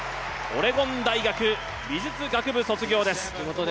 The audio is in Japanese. オレゴン大学・美術学部卒業です。